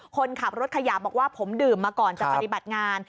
คนขับรถขยะบอกว่าผมดื่มมาก่อนจะปฏิบัติงาน